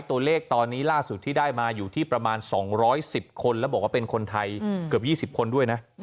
ตัวเลขตอนนี้ล่าสุดที่ได้มาอยู่ที่ประมาณ๒๑๐คนแล้วบอกว่าเป็นคนไทยเกือบ๒๐คนด้วยนะ